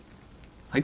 はい？